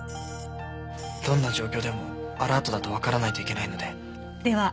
どんな状況でもアラートだとわからないといけないので。